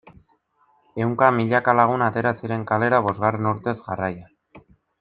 Ehunka milaka lagun atera ziren kalera bosgarren urtez jarraian.